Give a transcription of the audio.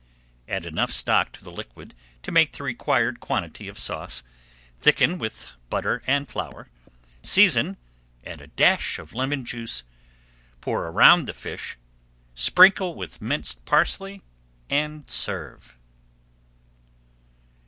Add enough stock to the liquid to make the required quantity of sauce, thicken with butter and flour, season, add a dash of lemon juice, pour around the fish, sprinkle with minced parsley and serve.